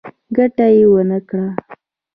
ګټه يې ونکړه.